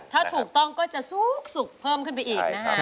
ถูกต้องจะซุปซุปเพิ่มขึ้นไปอีกนะฮะ